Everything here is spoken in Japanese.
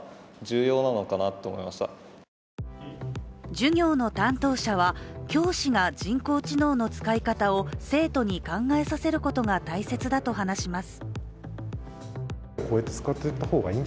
授業の担当者は、教師が人工知能の使い方を生徒に考えさせることが大切だと話します。